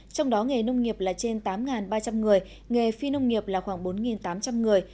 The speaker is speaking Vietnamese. trong đó nghề nông nghiệp là trên tám ba trăm linh người nghề phi nông nghiệp là khoảng bốn tám trăm linh người